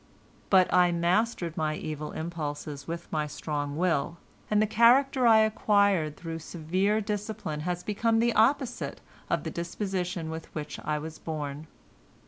But I mastered my evil impulses with my strong will, and the character I acquired through severe discipline has become the opposite of the disposition with which I was born.